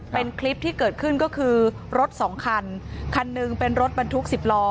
เป็นคลิปที่เกิดขึ้นก็คือรถสองคันคันหนึ่งเป็นรถบรรทุกสิบล้อ